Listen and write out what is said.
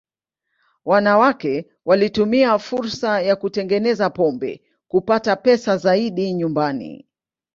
Wanawake walitumia fursa ya kutengeneza pombe kupata pesa zaidi nyumbani.